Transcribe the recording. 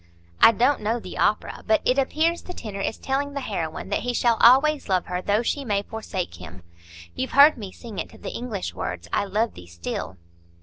I don't know the opera, but it appears the tenor is telling the heroine that he shall always love her though she may forsake him. You've heard me sing it to the English words, 'I love thee still.